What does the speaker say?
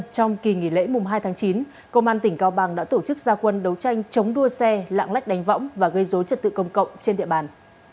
công an tỉnh cao bằng đã tổ chức gia quân đấu tranh chống đua xe lạng lách đánh võng và gây dối trật tự công cộng trên địa bàn